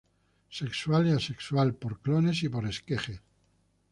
Sexual y Asexual, por clones y por esquejes.